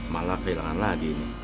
malah kehilangan lagi ini